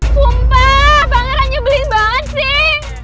sumpah pangeran nyebelin banget sih